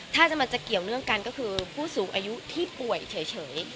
ถ้ามันจะเกี่ยวเนื่องกันก็คือผู้สูงอายุที่ป่วยเฉย